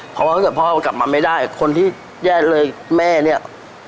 เพราะว่าถ้าเกิดพ่อเอากลับมาไม่ได้คนที่แย่เลยแม่เนี่ย